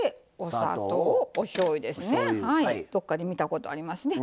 どっかで見たことありますね